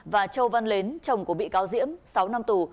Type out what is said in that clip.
và châu văn mến chồng của bị cáo diễm sáu năm tù